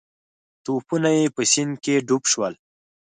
توپونه یې په سیند کې ډوب شول.